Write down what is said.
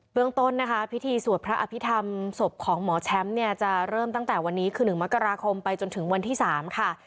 เรื่องต้นนะคะพิธีสวดพระอภิษฐรรมศพของหมอแชมป์เนี่ยจะเริ่มตั้งแต่วันนี้คือ๑มกราคมไปจนถึงวันที่๓ค่ะ